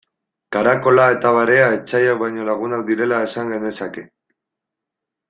Karakola eta barea etsaiak baino lagunak direla esan genezake.